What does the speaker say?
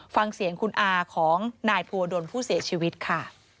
ฟังเสียงคุณอาของนายภัวดลผู้เสียชีวิตค่ะ